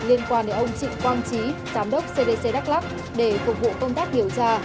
liên quan đến ông trịnh quang trí giám đốc cdc đắk lắc để phục vụ công tác điều tra